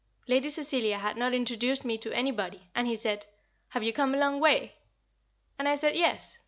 Lady Cecilia had not introduced me to anybody, and he said, "Have you come a long way?" And I said, "Yes."